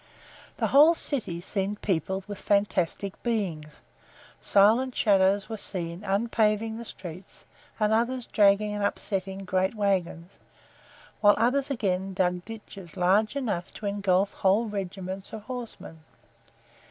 The whole city seemed peopled with fantastic beings; silent shadows were seen unpaving the streets and others dragging and upsetting great wagons, whilst others again dug ditches large enough to ingulf whole regiments of horsemen.